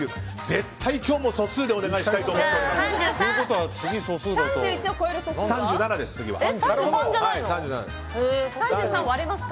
絶対今日も素数でお願いしたいと思っております。